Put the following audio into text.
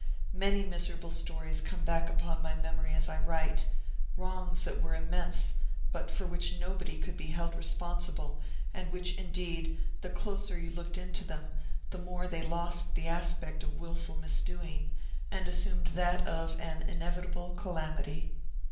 Many miserable stories come back upon my memory as I write; wrongs that were immense, but for which nobody could be held responsible, and which, indeed, the closer you looked into them, the more they lost the aspect of wilful misdoing and assumed that of an inevitable calamity.